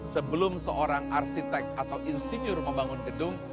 sebelum seorang arsitek atau insinyur membangun gedung